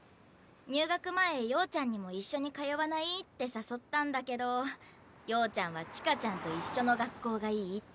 入学前曜ちゃんにも「一緒に通わない？」って誘ったんだけど曜ちゃんは千歌ちゃんと一緒の学校がいいって。